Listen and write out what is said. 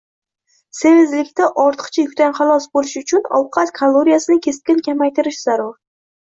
Semizlikda ortiqcha yukdan xalos bo‘lish uchun ovqat kaloriyasini keskin kamaytirish zarur.